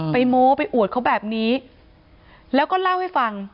โม้ไปอวดเขาแบบนี้แล้วก็เล่าให้ฟัง